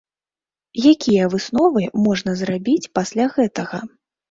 Якія высновы можна зрабіць пасля гэтага?